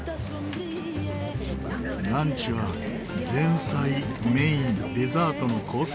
ランチは前菜メインデザートのコース